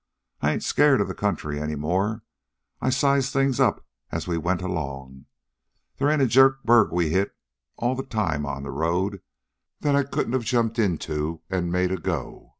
I ain't scared of the country any more. I sized things up as we went along. They ain't a jerk burg we hit all the time on the road that I couldn't jump into an' make a go.